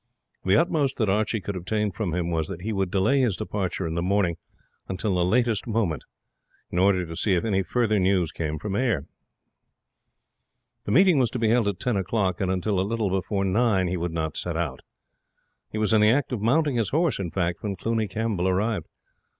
The utmost that Archie could obtain from him was that he would delay his departure in the morning until the latest moment, in order to see if any further news came from Ayr. The meeting was to be held at ten o'clock, and until a little before nine he would not set out. He was in the act of mounting his horse when Cluny Campbell arrived.